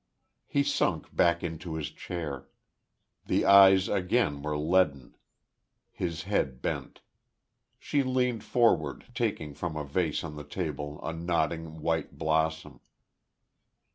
He sunk back into his chair. The eyes again were leaden. His head bent. She leaned forward, taking from a vase on the table a nodding white blossom.